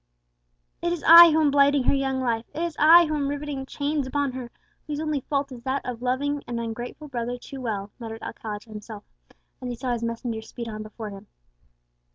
"It is I who am blighting her young life; it is I who am riveting chains upon her whose only fault is that of loving an ungrateful brother too well," muttered Alcala to himself, as he saw his messenger speed on before him.